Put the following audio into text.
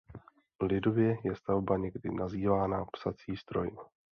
Lidově je stavba někdy nazývána "psací stroj".